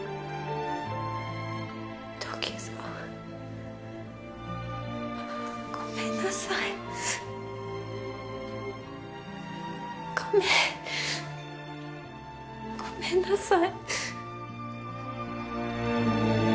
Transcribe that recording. トクゾごめんなさいごめんごめんなさい